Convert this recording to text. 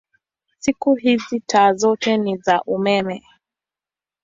Siku hizi taa zote ni za umeme.